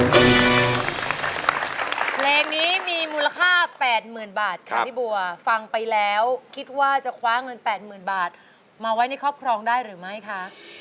เพลงนี้มีมูลค่า๘๐๐๐บาทค่ะพี่บัวฟังไปแล้วคิดว่าจะคว้าเงิน๘๐๐๐บาทมาไว้ในครอบครองได้หรือไม่คะ